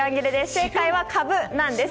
正解はカブなんです。